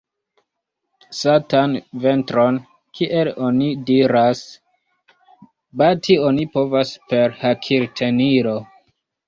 Satan ventron, kiel oni diras, bati oni povas per hakiltenilo.